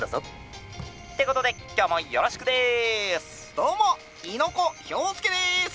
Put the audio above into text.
「どうも猪子兵介です！